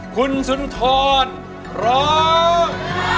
คุณสุนทรร้อง